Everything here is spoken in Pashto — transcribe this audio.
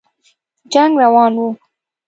جنګ روان وو.